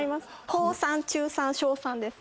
高３中３小３です。